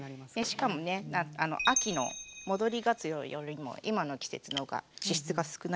しかもね秋の戻りがつおよりも今の季節の方が脂質が少ないんですよ。